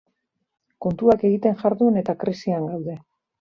Kontuak egiten jardun eta krisian gaude